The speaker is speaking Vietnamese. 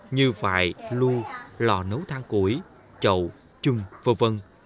như vại lua lò nấu thang củi chậu chung v v